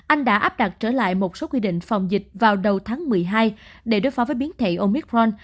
anh đã áp đặt trở lại một số quy định phòng dịch vào đầu tháng một mươi hai để đối phó với biến thể omicron